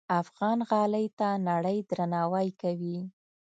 افغان غالۍ ته نړۍ درناوی کوي.